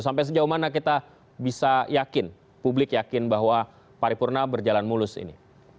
sampai sejauh mana kita bisa yakin publik yakin bahwa paripurna berjalan mulus ini